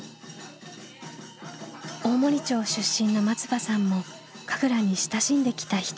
大森町出身の松場さんも神楽に親しんできた一人。